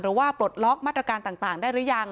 หรือว่าปลดล็อกมาตรการต่างได้รึยัง